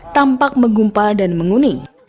tampak menggumpal dan menguning